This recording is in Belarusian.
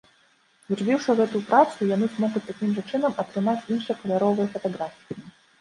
Зрабіўшы гэтую працу, яны змогуць такім жа чынам атрымаць іншы каляровыя фатаграфіі.